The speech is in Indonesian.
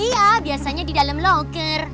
iya biasanya di dalam locker